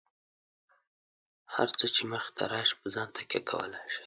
هر څه چې مخې ته راشي، په ځان تکیه کولای شئ.